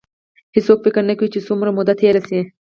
هېڅوک فکر نه کوي چې څومره موده تېره شي.